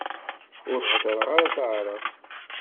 Ur heddreɣ ara taɛrabt.